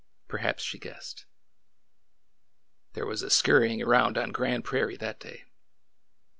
Perhaps she guessed. There was a scurrying around on Grand Prairie that day.